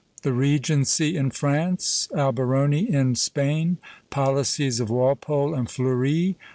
THE REGENCY IN FRANCE. ALBERONI IN SPAIN. POLICIES OF WALPOLE AND FLEURI.